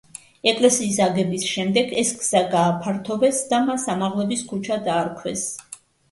ეკლესიის აგების შემდეგ ეს გზა გააფართოვეს და მას ამაღლების ქუჩა დაარქვეს.